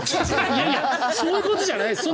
いやいやそういうことじゃない。